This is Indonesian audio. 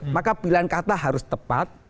maka pilihan kata harus tepat